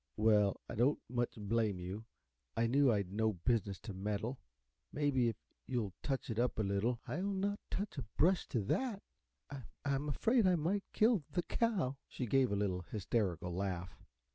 "Well, I don't much blame you. I knew I'd no business to meddle. Maybe, if you'll touch it up a little " "I'll not touch a brush to THAT. I I'm afraid I might kill the cow." She gave a little, hysterical laugh.